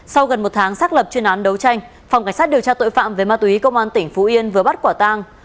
sau gần một tháng xác lập chuyên án đấu tranh phòng cảnh sát điều tra tội phạm về ma túy công an tỉnh phú yên vừa bắt quả tang